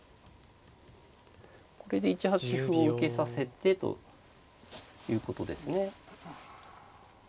これで１八歩を受けさせてということですね。